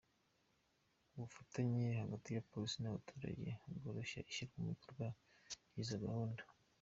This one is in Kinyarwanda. Ubufatanye hagati ya Polisi n’abaturage bworoshya ishyirwa mu bikorwa ry’izo gahunda.